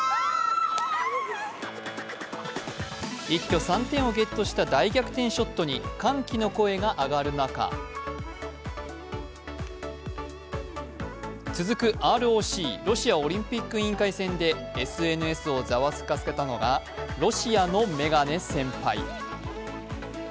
一挙３点をゲットした大逆転ショットに歓喜の声が上がる中、続くＲＯＣ、ロシアオリンピック委員会戦でＳＮＳをざわつかせたのがロシアのメガネ先輩。